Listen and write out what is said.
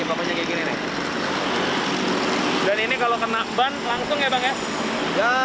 karena warnanya mirip dengan jalanan tadi kalau lagi jalan kaki nih paku nya kayak gini nih